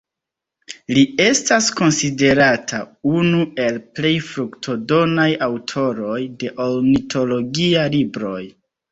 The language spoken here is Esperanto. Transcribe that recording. Li estas konsiderata unu el plej fruktodonaj aŭtoroj de ornitologia libroj.